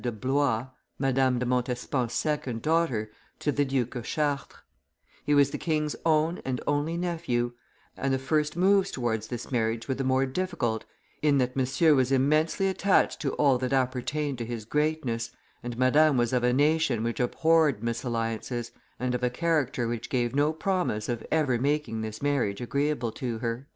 de Blois, Madame de Montespan's second daughter, to the Duke of Chartres; he was the king's own and only nephew, and the first moves towards this marriage were the more difficult in that Monsieur was immensely attached to all that appertained to his greatness, and Madame was of a nation which abhorred misalliances, and of a character which gave no promise of ever making this marriage agreeable to her."